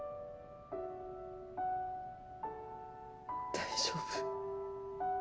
大丈夫。